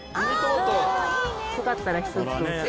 よかったら１つ。